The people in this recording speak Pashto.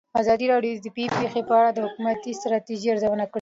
ازادي راډیو د طبیعي پېښې په اړه د حکومتي ستراتیژۍ ارزونه کړې.